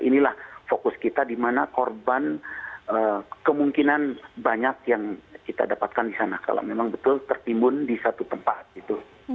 inilah fokus kita di mana korban kemungkinan banyak yang kita dapatkan di sana kalau memang betul tertimbun di satu tempat gitu